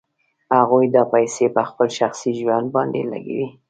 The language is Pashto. هغوی دا پیسې په خپل شخصي ژوند باندې لګوي